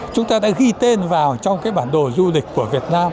chúng ta đã ghi tên vào trong cái bản đồ du lịch của việt nam